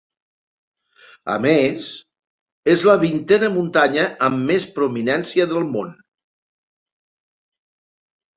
A més, és la vintena muntanya amb més prominència del món.